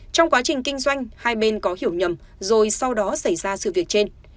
trong quá trình kinh doanh hai bên có hiểu nhầm rồi sau đó xảy ra sự việc trên